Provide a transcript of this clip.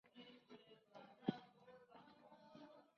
Su infancia se desarrolló en Chajarí, en un típico hogar de clase media.